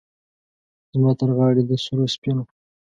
زما ترغاړې د سرو، سپینو،